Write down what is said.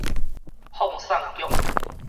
放送局